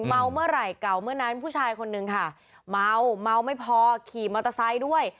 เมาเมื่อไหร่เก่าเมื่อนั้นผู้ชายคนนึงค่ะเมาเมาไม่พอขี่มอเตอร์ไซค์ด้วย